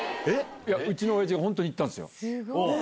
うちの親父が本当に言ったんですよ。